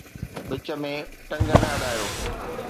وچ ۾ ٽنگ نه اڏايو